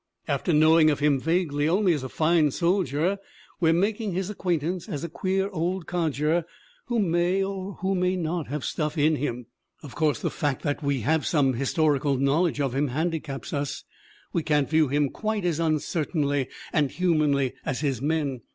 After knowing of him vaguely only as a fine soldier we are making his acquaintance as a queer old codger who may or may not have stuff in him. Of course the fact that we have some historical knowledge of him handicaps us; we can't view him quite as un certainly and humanly as his men.